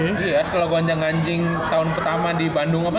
iya setelah guanjangganjing tahun pertama di bandung apa tuh